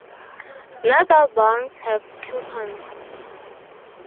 Not all bonds have coupons.